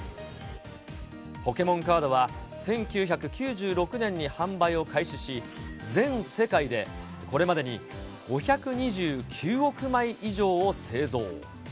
ポケモンカードは１９９６年に販売を開始し、全世界でこれまでに５２９億枚以上を製造。